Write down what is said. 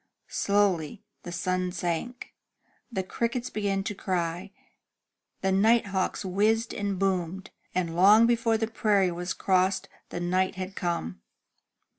Slowly the sun sank. The crickets began to cry, the night hawks whizzed and boomed, and long before the prairie was crossed the night had come.